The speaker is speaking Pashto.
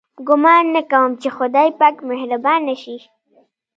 ګومان نه کوم چې خدای پاک مهربانه شي.